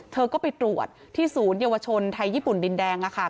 เธอก็ไปตรวจที่ศูนยวชนไทยญี่ปุ่นดินแดงค่ะ